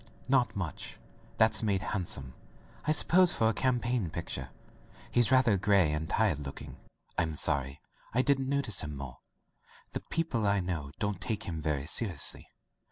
'* "Not much. That's made handsome, I suppose, for a campaign picture. He's rather gray and tired looking. Fm sorry I didn't notice him more. The people I know don't take him very seriously.